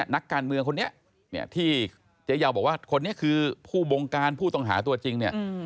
นักการเมืองคนนี้เนี่ยที่เจ๊ยาวบอกว่าคนนี้คือผู้บงการผู้ต้องหาตัวจริงเนี่ย